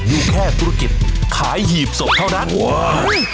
อยู่แค่ธุรกิจขายหีบศพเท่านั้นโอ้ย